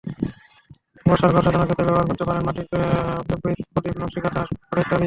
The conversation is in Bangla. বসার ঘরসাজানোর ক্ষেত্রে ব্যবহার করতে পারেন মাটির শোপিস, প্রদীপ, নকশি কাঁথা, হাতপাখা ইত্যাদি।